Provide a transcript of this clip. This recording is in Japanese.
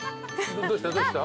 どうしたどうした？